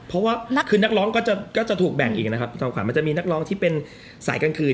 เพราะว่าคือนักร้องก็จะถูกแบ่งอีกนะครับคุณจอมขวัญมันจะมีนักร้องที่เป็นสายกลางคืน